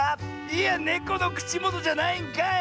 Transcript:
いやネコのくちもとじゃないんかい！